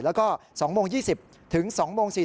แล้วก็๒โมง๒๐ถึง๒โมง๔๐